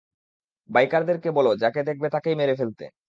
বাইকারদের বল যাকে দেখবে তাকেই মেরে ফেলতে।